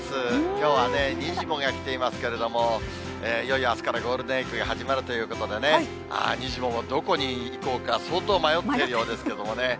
きょうはね、にじモが来ていますけれども、いよいよあすからゴールデンウィークが始まるということでね、ああ、にじモもどこに行こうか、相当迷っているようですけどもね。